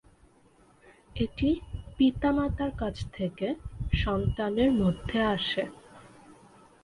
এটি পিতামাতার কাছ থেকে সন্তানের মধ্যে আসে।